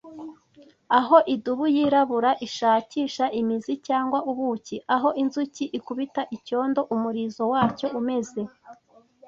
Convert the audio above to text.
Aho idubu yirabura ishakisha imizi cyangwa ubuki, aho inzuki ikubita icyondo umurizo wacyo umeze;